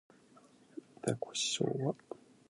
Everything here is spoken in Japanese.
ザコシショウは